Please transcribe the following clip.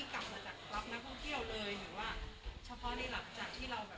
ป้องกันหลังจากที่กลับมาจากกรอบนักพ่องเที่ยวเลยหรือว่า